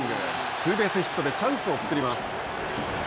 ツーベースヒットでチャンスを作ります。